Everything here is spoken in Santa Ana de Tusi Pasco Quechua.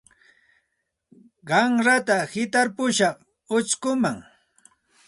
Qanrata hitarpushaq uchkuman.